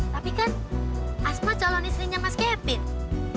tapi kan asma calon istrinya mas kevin